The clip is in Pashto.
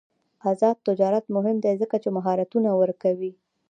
آزاد تجارت مهم دی ځکه چې مهارتونه ورکوي.